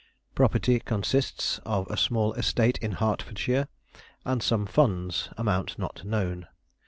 Property consists of a small estate in Hertfordshire, and some funds, amount not known.